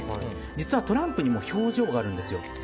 実はトランプにも表情があるんですよ。